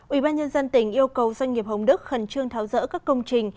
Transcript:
ủy ban nhân dân tỉnh yêu cầu doanh nghiệp hồng đức khẩn trương tháo rỡ các công trình